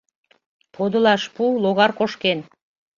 Подылаш пу, логар кошкен!